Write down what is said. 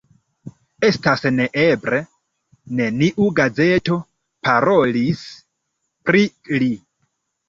Estas neeble: neniu gazeto parolis pri li.